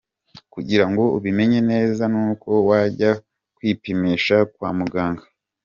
Kugirango ubimenye neza n’uko wajya kwipimisha kwa mugaga.